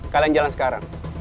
kalian jalan sekarang